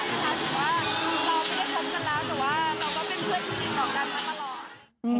ถือว่าเราได้คบกันแล้วแต่ว่าเราก็เป็นเพื่อนที่ติดต่อกันมาตลอด